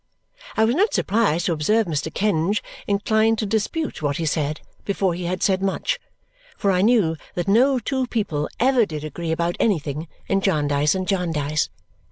I was not surprised to observe Mr. Kenge inclined to dispute what he said before he had said much, for I knew that no two people ever did agree about anything in Jarndyce and Jarndyce.